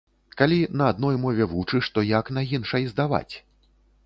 Калі на адной мове вучыш, то як на іншай здаваць?